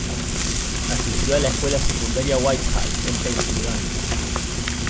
Asistió a la Escuela Secundaria Whitehall, en Pensilvania.